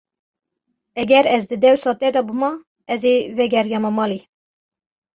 Eger ez di dewsa te de bûma, ez ê vegeriyama malê.